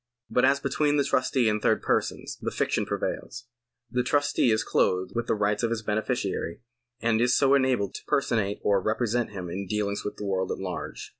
But as between the trustee and third persons, the fiction prevails. The trustee is clothed with the rights of his beneficiary, and is so enabled to personate or represent him in dealings with the world at large.